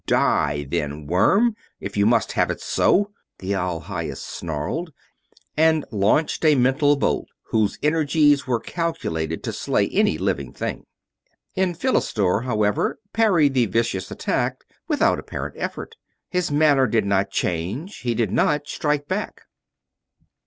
"Die, then, worm, if you must have it so!" the All Highest snarled, and launched a mental bolt whose energies were calculated to slay any living thing. Enphilistor, however, parried the vicious attack without apparent effort. His manner did not change. He did not strike back.